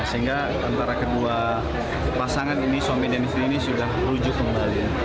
sehingga antara kedua pasangan ini suami dan istri ini sudah rujuk kembali